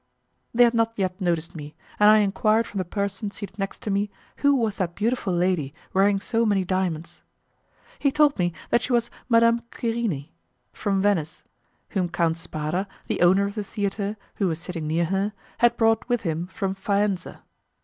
They had not yet noticed me, and I enquired from the person seated next to me who was that beautiful lady wearing so many diamonds. He told me that she was Madame Querini, from Venice, whom Count Spada, the owner of the theatre, who was sitting near her, had brought with him from Faenza.